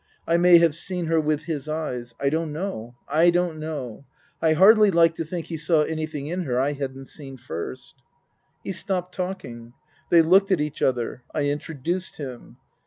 I may have seen her with his eyes. I don't know I don't know. I hardly like to think he saw anything in her I hadn't seen first. He stopped talking. They looked at each other. I introduced him.